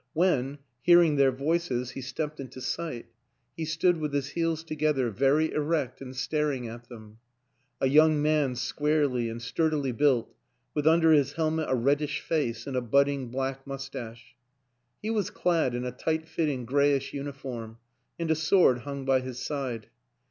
When, hearing their 80 WILLIAM AN ENGLISHMAN voices, he stepped into sight, he stood with his heels together, very erect and staring at them a young man squarely and sturdily built, with under his helmet a reddish face and a budding black mustache. He was clad in a tight fitting grayish uniform, and a sword hung by his side.